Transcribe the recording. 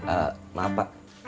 eh maaf pak